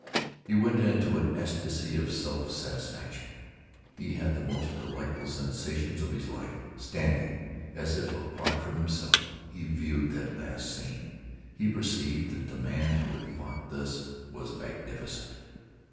He went into an ecstasy of self satisfaction. He had the most delightful sensations of his life. Standing as if apart from himself, he viewed that last scene. He perceived that the man who had fought thus was magnificent.